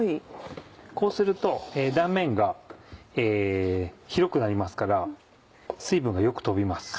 こうすると断面が広くなりますから水分がよく飛びます。